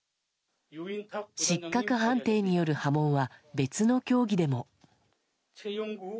失格判定による波紋は別の競技でも。